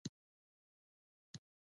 تاریخ اوږدو کې دین کې ورزیات شوي.